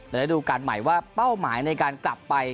ระดูการใหม่ว่าเป้าหมายในการกลับไป